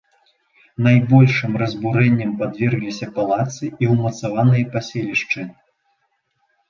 Найбольшым разбурэнням падвергліся палацы і ўмацаваныя паселішчы.